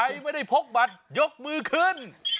ใครไม่ได้พกบัตรยกมือขึ้น